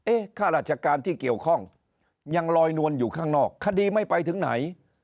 ข้าราชการที่เกี่ยวข้องยังลอยนวลอยู่ข้างนอกคดีไม่ไปถึงไหน